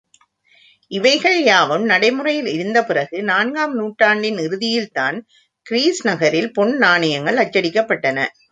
இவைகள் யாவும் நடை முறையில் இருந்த பிறகு நான்காம் நூற்றாண்டின் இறுதியில்தான் கிரீஸ் நகரில் பொன் நாணயங்கள் அச்சடிக்கப்பட்டன.